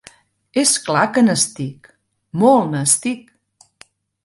És clar que n'estic. Molt n'estic.